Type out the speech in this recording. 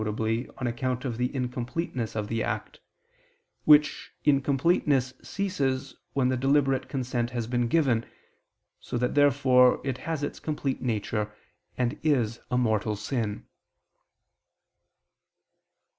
on account of the incompleteness of the act: which incompleteness ceases when the deliberate consent has been given, so that therefore it has its complete nature and is a mortal sin.